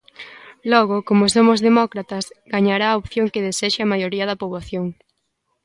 Logo, como somos demócratas, gañará a opción que desexe a maioría da poboación.